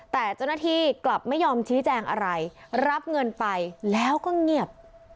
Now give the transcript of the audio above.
แต่เจ้าหน้าที่กลับไม่ยอมชี้แจงอะไรรับเงินไปแล้วก็เงียบ